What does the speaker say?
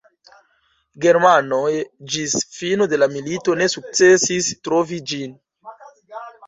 Germanoj ĝis fino de la milito ne sukcesis trovi ĝin.